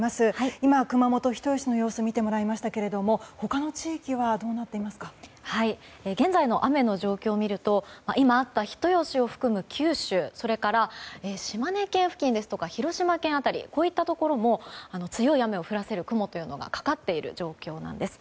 今、熊本・人吉の様子を見てもらいましたが現在の雨の状況を見ると今あった人吉を含む九州それから、島根県付近ですとか広島県辺りこういったところも強い雨を降らせる雲がかかっている状況なんです。